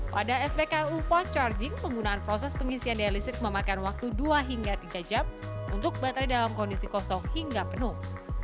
pada spklu force charging penggunaan proses pengisian daya listrik memakan waktu dua hingga tiga jam untuk baterai dalam kondisi kosong hingga penuh